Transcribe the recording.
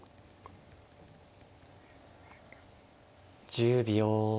１０秒。